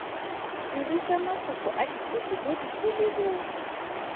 Dirisa mafoko a dipotso mo dipolelong.